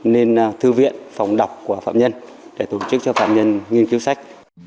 nên thư viện phòng đọc của phạm nhân để tổ chức cho phạm nhân nghiên cứu sách